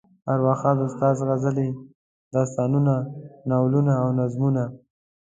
ارواښاد استاد غزلې، داستانونه، ناولونه او نظمونه.